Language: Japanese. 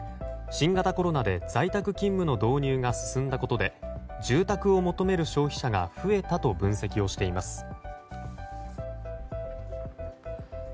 新型コロナで在宅勤務の導入が進んだことで住宅を求める消費者が増えたと分析をしています。